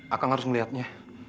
akang harus melihatnya